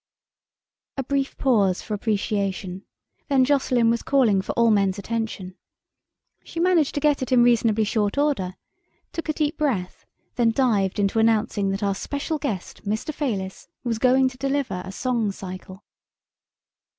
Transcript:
A brief pause for appreciation, then Jocelyn was calling for all men's attention. She managed to get it in reasonably short order, took a deep breath, then dived into announcing that our "special guest, Mr. Fayliss" was going to deliver a song cycle.